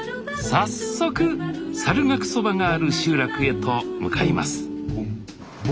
早速猿楽そばがある集落へと向かいます